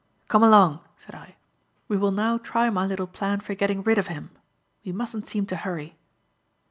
"Come along," said I. "We will now try my little plan for getting rid of him. We mustn't seem to hurry."